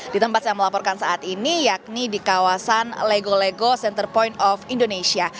di tempat saya melaporkan saat ini yakni di kawasan lego lego center point of indonesia